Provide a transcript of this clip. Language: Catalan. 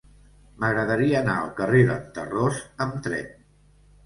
M'agradaria anar al carrer d'en Tarròs amb tren.